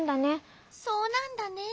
そうなんだね。